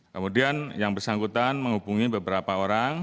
kemudian yang bersangkutan menghubungi beberapa orang